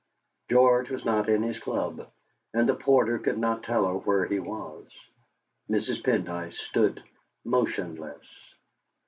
George was not in his club, and the porter could not tell her where he was. Mrs. Pendyce stood motionless.